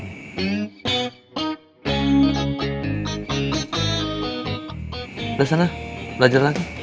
udah sana belajar lagi